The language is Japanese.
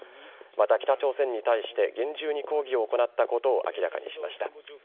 また、北朝鮮に対して厳重に抗議を行ったことを明らかにしました。